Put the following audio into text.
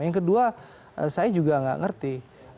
yang kedua saya juga nggak ngerti